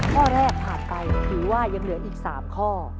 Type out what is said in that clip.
ข้อแรกผ่านไปถือว่ายังเหลืออีก๓ข้อ